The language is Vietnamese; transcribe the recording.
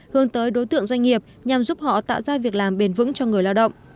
hướng tới đối tượng doanh nghiệp nhằm giúp họ tạo ra việc làm bền vững cho người lao động